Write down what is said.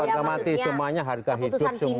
semuanya harga hidup semua